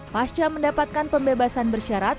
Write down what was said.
pasca mendapatkan pembebasan bersyarat